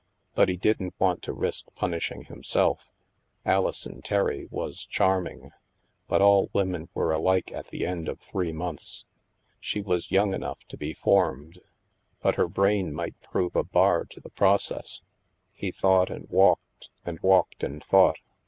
But he didn't want to risk punishing himself. Alison Terry was charming. But all women were alike at the end of three months. She was young enough to be formed. STILL WATERS 85 But her brain might prove a bar to the process. He thought and walked, and walked and thought.